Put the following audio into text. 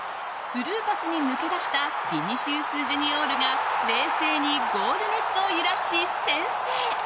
スルーパスに抜け出したヴィニシウス・ジュニオールが冷静にゴールネットを揺らし先制。